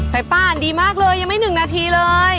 สายป่านดีมากเลยยังไม่๑นาทีเลย